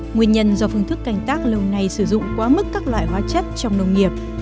nguyên nhân do phương thức canh tác lâu nay sử dụng quá mức các loại hóa chất trong nông nghiệp